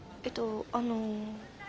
えっとあの。